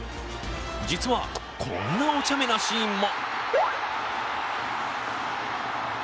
実は、こんなお茶目なシーンも。